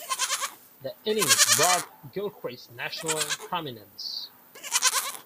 The innings brought Gilchrist national prominence.